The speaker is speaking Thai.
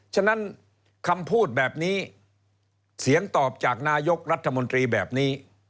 ฉะนั้นคำพูดแบบนี้เสียงตอบจากนายกรัฐมนตรีแบบนี้